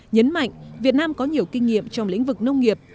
nhấn mạnh việt nam có nhiều kinh nghiệm trong lĩnh vực nông nghiệp